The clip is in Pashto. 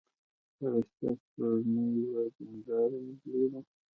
فرشته سپوږمۍ یوه دينداره نجلۍ ده.